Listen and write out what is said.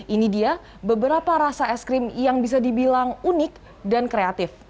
ini dia beberapa rasa es krim yang bisa dibilang unik dan kreatif